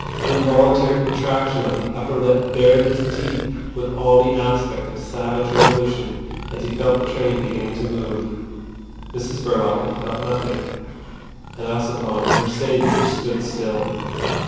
An involuntary contraction of the upper lip bared his teeth with all the aspect of savage resolution as he felt the train beginning to move. Mrs Verloc heard and felt nothing, and Ossipon, her saviour, stood still.